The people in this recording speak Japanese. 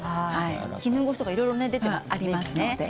絹ごしとかいろいろ出ていますよね。